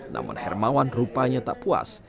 namun hermawan rupanya tak puas